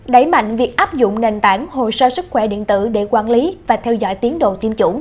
đẩy mạnh việc áp dụng nền tảng hồ sơ sức khỏe điện tử để quản lý và theo dõi tiến độ tiêm chủng